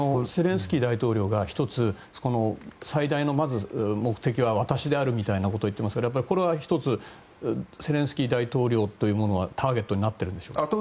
ゼレンスキー大統領が１つ最大の目的は私であるみたいなことを言っていますがこれは１つゼレンスキー大統領というものはターゲットになってるんでしょうか。